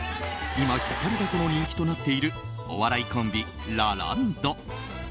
今引っ張りだこの人気となっているお笑いコンビ、ラランド。